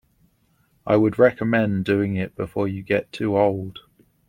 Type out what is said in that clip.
I would recommend doing it before you get too old.